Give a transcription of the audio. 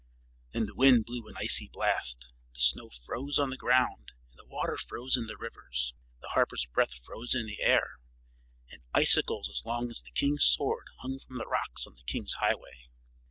Then the wind blew an icy blast. The snow froze on the ground and the water froze in the rivers. The harper's breath froze in the air, and icicles as long as the king's sword hung from the rocks on the king's highway.